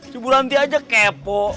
si buranti aja kepo